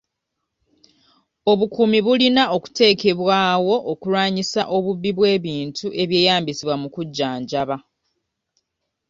Obukuumi bulina okuteekebwawo okulwanyisa obubbi bw'ebintu ebyeyamisibwa mu kujjanjaba.